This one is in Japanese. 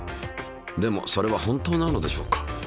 でもそれは本当なのでしょうか。